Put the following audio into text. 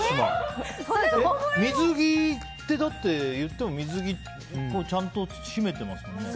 水着ってだって、いってもちゃんと締めてますもんね。